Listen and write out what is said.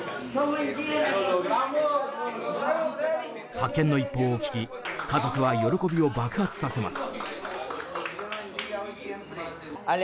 発見の一報を聞き家族は喜びを爆発させます。